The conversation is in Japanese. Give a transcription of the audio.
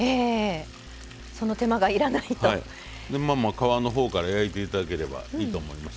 皮のほうから焼いて頂ければいいと思います。